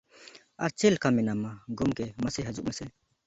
ᱟᱨ ᱪᱮᱞᱠᱟ ᱢᱮᱱᱟᱢᱟ, ᱜᱚᱢᱠᱮ ᱢᱟᱥᱮ ᱦᱟᱹᱡᱩᱜ ᱢᱮᱥᱮ ᱾